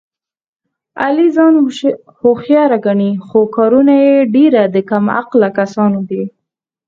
علي ځان هوښیار ګڼي، خو کارونه یې ډېر د کم عقله کسانو دي.